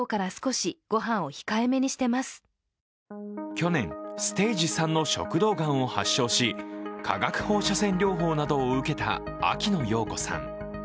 去年、ステージ３の食道がんを発症し化学放射線療法などを受けた秋野暢子さん。